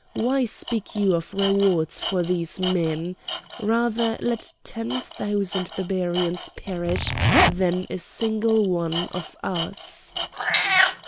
Why speak you of rewards for these men? Rather let ten thousand Barbarians perish than a single one of us!"